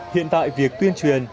hiện tại việc tuyên truyền